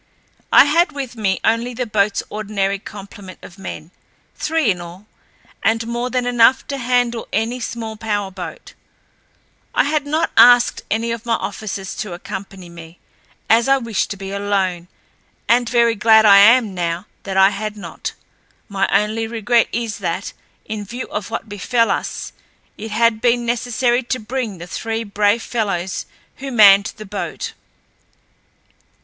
I had with me only the boatl's ordinary complement of men—three in all, and more than enough to handle any small power boat. I had not asked any of my officers to accompany me, as I wished to be alone, and very glad am I now that I had not. My only regret is that, in view of what befell us, it had been necessary to bring the three brave fellows who manned the boat.